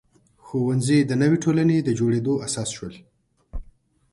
ښوونځي د نوې ټولنې د جوړېدو اساس شول.